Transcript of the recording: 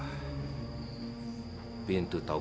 ini ke centre tanjung